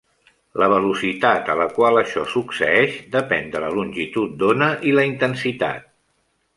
La velocitat a la qual això succeeix depèn de la longitud d'ona i la intensitat.